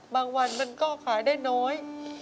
วันมันก็ขายได้น้อย